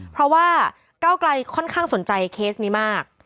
เพราะว่าก้าวไกลค่อนข้างสนใจเคสนี้มาก